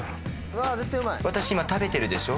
今食べてるでしょ